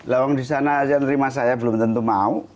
lawang di sana saja nerima saya belum tentu mau